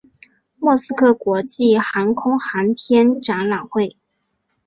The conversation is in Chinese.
莫斯科国际航空航天展览会。